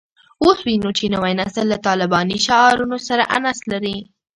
اوس وینو چې نوی نسل له طالباني شعارونو سره انس لري